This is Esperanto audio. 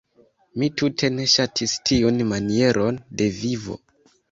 Mi tute ne ŝatis tiun manieron de vivo.